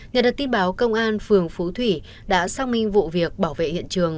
nhà đợt tin báo công an phương phú thủy đã xác minh vụ việc bảo vệ hiện trường